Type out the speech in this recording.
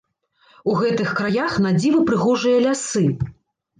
У гэтых краях надзіва прыгожыя лясы!